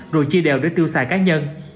rồi chia đều để tiêu xài cá nhân